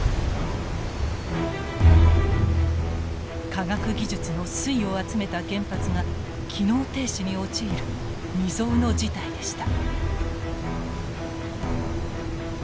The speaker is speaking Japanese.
科学技術の粋を集めた原発が機能停止に陥る未曽有の事態でした。